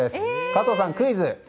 加藤さん、クイズ。